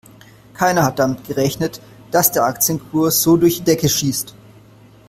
Keiner hat damit gerechnet, dass der Aktienkurs so durch die Decke schießt.